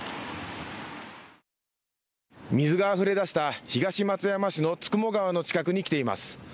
水があふれだした東松山市の九十九川の近くに来ています。